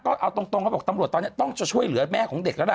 ก็เอาตรงเขาบอกตำรวจตอนนี้ต้องจะช่วยเหลือแม่ของเด็กแล้วล่ะ